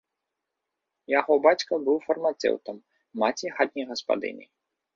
Яго бацька быў фармацэўтам, маці хатняй гаспадыняй.